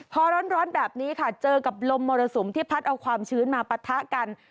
พอร้อนแบบนี้ค่ะเจอกับลมมรสุมที่พัดเอาความชื้นมาปะทะกัน